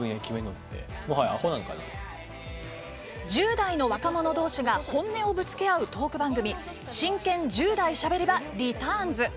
１０代の若者同士が本音をぶつけ合うトーク番組「真剣１０代しゃべり場リターンズ！！」。